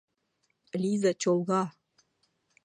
ЛИЙЗА ЧОЛГА